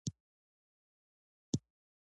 افغانستان د د هېواد مرکز لپاره مشهور دی.